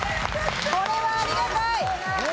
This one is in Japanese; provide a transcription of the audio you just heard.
これはありがたい！